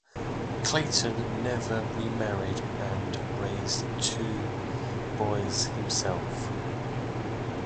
Clayton never remarried and raised the two boys himself.